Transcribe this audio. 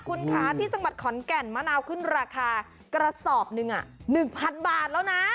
คุณค้าที่จังหัวขอนแก่นมะนาวขึ้นราคากระสอบหนึ่งว่า๑๐๐๐บาท